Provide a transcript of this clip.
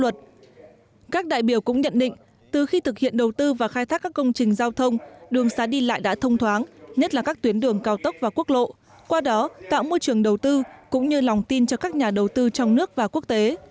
trong khi khai thác các công trình giao thông đường xá đi lại đã thông thoáng nhất là các tuyến đường cao tốc và quốc lộ qua đó tạo môi trường đầu tư cũng như lòng tin cho các nhà đầu tư trong nước và quốc tế